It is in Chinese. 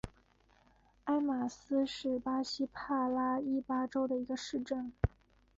埃马斯是巴西帕拉伊巴州的一个市镇。